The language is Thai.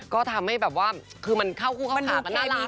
ก็ทำให้แบบว่าคือมันเข้าคู่เข้าขากันน่ารัก